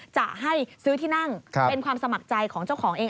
จะให้ซื้อที่นั่งเป็นความสมัครใจของเจ้าของเอง